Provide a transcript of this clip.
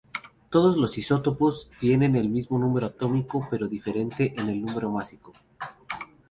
Todos los isótopos tienen el mismo número atómico pero difieren en el número másico.